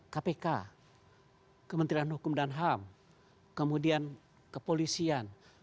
kpk kementerian hukum dan ham kemudian kepolisian